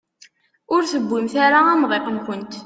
Ur tewwimt ara amḍiq-nkent.